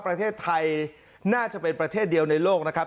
ประเทศไทยน่าจะเป็นประเทศเดียวในโลกนะครับ